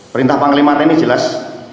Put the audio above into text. perintah panglima tni jelas